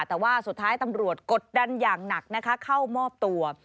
แต่ว่าสุดท้ายตำรวจกดดันอย่างหนักนะคะเข้ามอบตัว